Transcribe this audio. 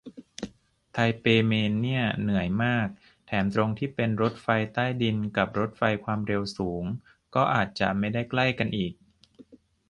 ไทเปเมนเนี่ย เหนื่อยมาก แถมตรงที่เป็นรถใต้ดินกับรถไฟความเร็วสูงก็อาจจะไม่ได้ใกล้กันอีก